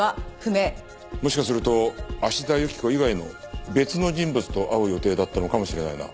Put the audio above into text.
もしかすると芦田雪子以外の別の人物と会う予定だったのかもしれないな。